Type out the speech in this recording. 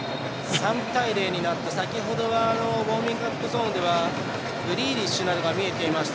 ３対０になって、先ほどはウォーミングアップゾーンではグリーリッシュなどが見えていました。